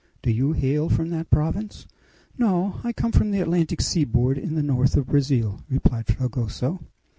"Do you hail from that province?" "No! I come from the Atlantic seaboard in the north of Brazil," replied Fragoso.